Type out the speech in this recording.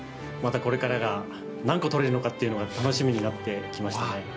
またこれからが何個とれるのかが楽しみになってきましたね。